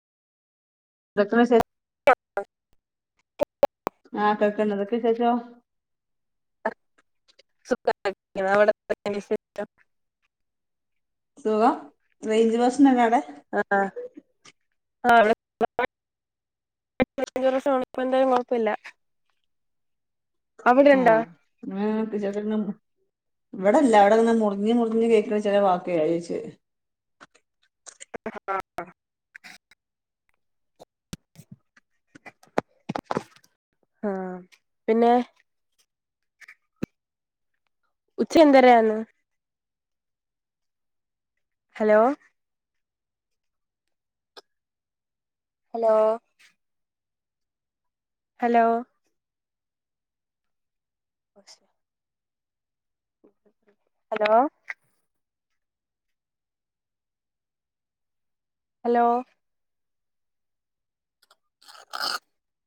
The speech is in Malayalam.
[unintelligible] [inaudible] ആ ചോയ്ക്കണ്ടതൊക്കെ ചോയ്‌ച്ചോ സുഖ അവിടെ ന്തൊക്കെ വിശേഷം സുഖ റേഞ്ച് പ്രശ്നണ്ടോ അടെ ആ [unintelligible] കൊഴപ്പില്ല ആ [unintelligible] ഇവിടെല്ല അവിടെങ്ങെ മുറിഞ്ഞ് മുറിഞ്ഞ് കേക്കണ ചെല വാക്കേ അതാ ചോയ്ച്ചേ ആ ആ പിന്നെ ഉച്ച യന്തരാണ് hello hello hello [unintelligible] hello hello